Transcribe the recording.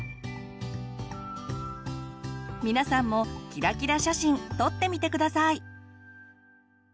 皆さんもキラキラ写真撮ってみて下さい！